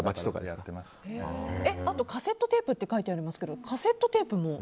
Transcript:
あとカセットテープって書いてありますけどカセットテープも？